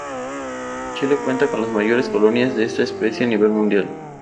Chile cuenta con las mayores colonias de esta especie a nivel mundial.